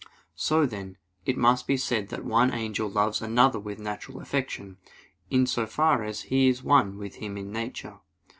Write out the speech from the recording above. So then, it must be said that one angel loves another with natural affection, in so far as he is one with him in nature.